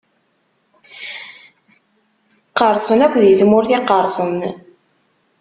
Qqerṣen akk di tmurt iqerṣen.